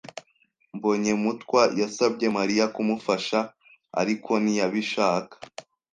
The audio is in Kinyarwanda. Mbonyemutwa yasabye Mariya kumufasha, ariko ntiyabishaka.